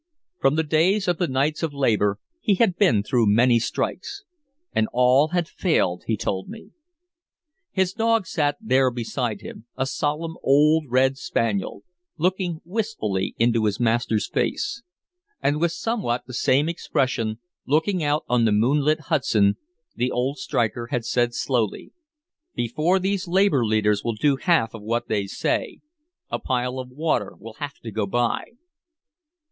From the days of the Knights of Labor he had been through many strikes, and all had failed, he told me. His dog sat there beside him, a solemn old red spaniel, looking wistfully into his master's face. And with somewhat the same expression, looking out on the moonlit Hudson, the old striker had said slowly: "Before these labor leaders will do half of what they say a pile of water will have to go by."